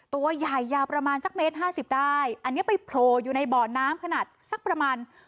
ตัวใหญ่ยาวประมาณสักเมตรห้าสิบได้อันนี้ไปโผล่อยู่ในบ่อน้ำขนาดสักประมาณ